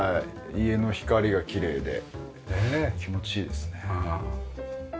家の光がきれいで気持ちいいですね。